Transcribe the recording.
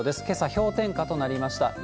けさ、氷点下となりました。